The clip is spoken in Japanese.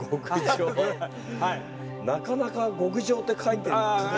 なかなか「極上」って書いて書かないですよね。